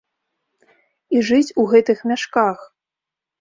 І жыць у гэтых мяшках!